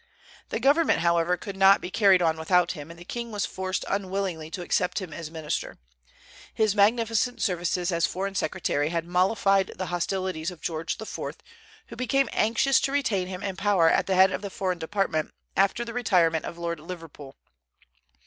The government, however, could not be carried on without him, and the king was forced unwillingly to accept him as minister. His magnificent services as foreign secretary had mollified the hostilities of George IV., who became anxious to retain him in power at the head of the foreign department, after the retirement of Lord Liverpool.